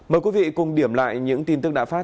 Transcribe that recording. mời quý vị cùng điểm lại những tin tức đã phát